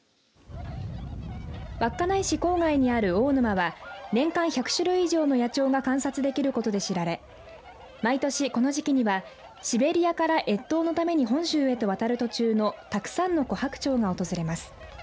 稚内市郊外にある大沼は年間１００種類以上の野鳥が観察できることで知られ毎年、この時期にはシベリアから越冬のために本州へと渡る途中のたくさんのコハクチョウが訪れます。